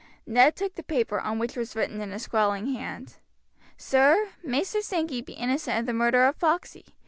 Ned took the paper, on which was written in a scrawling hand: "Sir, Maister Sankey be innocent of the murder of Foxey.